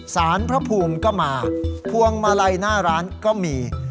สารพระภูมิก็มาพวงมาลัยหน้าร้านก็มี